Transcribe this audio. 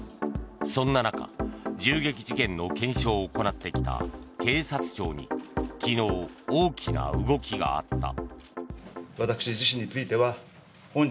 そんな中、銃撃事件の検証を行ってきた警察庁に昨日、大きな動きがあった。